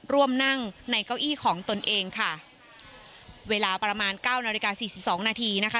ร่วมนั่งในเก้าอี้ของตนเองค่ะเวลาประมาณ๙นาฬิกา๔๒นาทีนะคะ